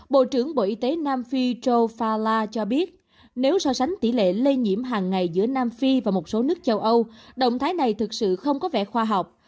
bộ trưởng bộ y tế nam phi joe fala cho biết nếu so sánh tỉ lệ lây nhiễm hàng ngày giữa nam phi và một số nước châu âu đồng thái này thật sự không có vẻ khoa học